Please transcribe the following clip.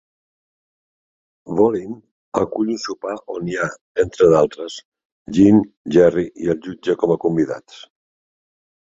Vollin acull un sopar on hi ha, entre d'altres, Jean, Jerry i el jutge com a convidats.